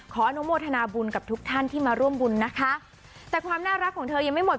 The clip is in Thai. อนุโมทนาบุญกับทุกท่านที่มาร่วมบุญนะคะแต่ความน่ารักของเธอยังไม่หมด